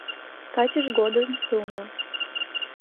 Качыж годым сылне.